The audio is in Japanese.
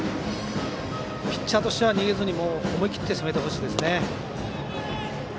ピッチャーとしては逃げずに思い切って攻めてほしいです。